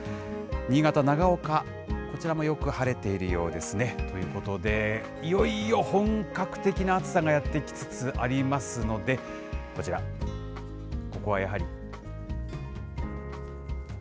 新潟・長岡、こちらもよく晴れているようですね。ということで、いよいよ本格的な暑さがやって来つつありますので、こちら、ここはやはり。